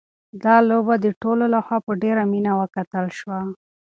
دا لوبه د ټولو لخوا په ډېره مینه وکتل شوه.